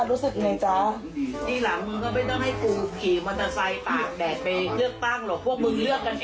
นี่หลังมึงก็ไม่ต้องให้กูขี่มันทราย